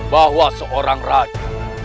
bahwa seorang raja